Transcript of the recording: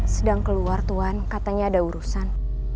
sedang keluar tuhan katanya ada urusan